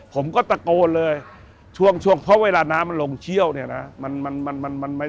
ผมก็ตะโกนเลยช่วงช่วงเพราะเวลาน้ำมันลงเชี่ยวเนี่ยนะ